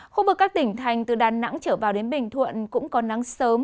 khu vực các tỉnh thành phố từ đà nẵng trở vào đến bình thuận cũng còn nắng sớm